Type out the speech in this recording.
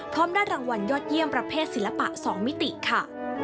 พร้อมได้รางวัลยอดเยี่ยมประเภทศิลปะ๒มิติค่ะ